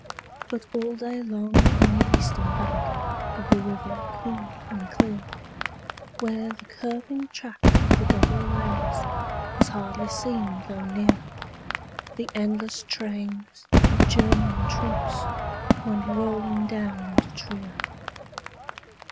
But all day long on the eastern bank Of the river cool and clear, Where the curving track of the double rails Was hardly seen though near, The endless trains of German troops Went rolling down to Trier.